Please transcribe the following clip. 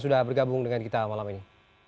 sudah bergabung dengan kita malam ini